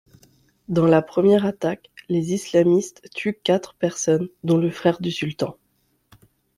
Dans la première attaque, les islamistes tuent quatre personnes, dont le frère du sultan.